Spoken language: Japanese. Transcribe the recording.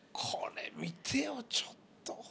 これ見てよちょっと。